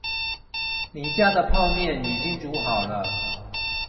你家的泡麵已經煮好了